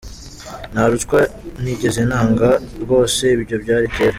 Nta ruswa nigeze ntanga rwose ibyo byari kera.